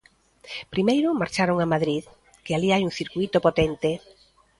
Primeiro marcharon a Madrid, que alí hai un circuíto potente.